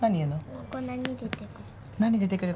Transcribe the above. ここ何出てくる？